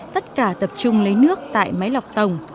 tất cả tập trung lấy nước tại máy lọc tổng